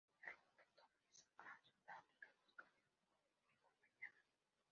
El rumbo que toma es a Sudáfrica en busca de un mejor mañana.